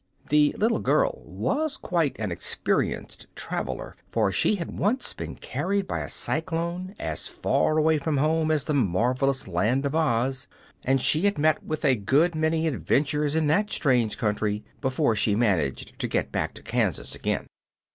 The little girl was quite an experienced traveller, for she had once been carried by a cyclone as far away from home as the marvelous Land of Oz, and she had met with a good many adventures in that strange country before she managed to get back to Kansas again.